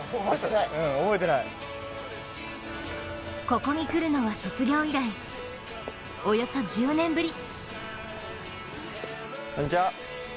ここに来るのは卒業以来およそ１０年ぶり。